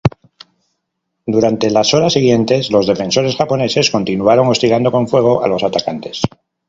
Durante las horas siguientes los defensores japoneses continuaron hostigando con fuego a los atacantes.